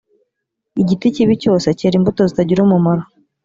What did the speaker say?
igiti kibi cyose cyera imbuto zitagira umumaro